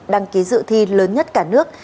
đăng ký dự thi lớn nhất cả nước